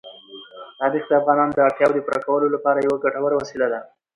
تاریخ د افغانانو د اړتیاوو د پوره کولو لپاره یوه ګټوره وسیله ده.